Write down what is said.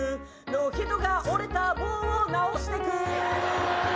「人が折れた棒を直してく」